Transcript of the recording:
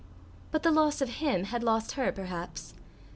But the loss of him had lost her perhaps.